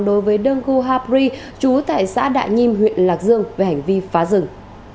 đối với đơn khu hapri chú tại xã đại nhim huyện lạc dương về hành vi phá rừng